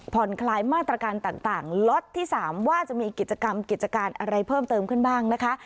คลายมาตรการต่างล็อตที่๓ว่าจะมีกิจกรรมกิจการอะไรเพิ่มเติมขึ้นบ้างนะคะ